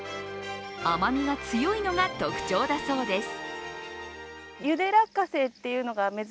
甘みが強いのが特徴だそうです。